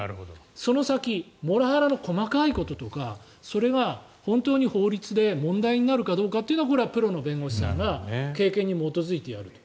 その先モラハラの細かいこととかそれが本当に、法律で問題になるかどうかというのはこれはプロの弁護士さんが経験に基づいて、やると。